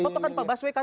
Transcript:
tau kan pak baswe kan